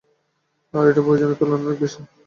আর এটা প্রয়োজনের তুলনায় অনেক বেশি।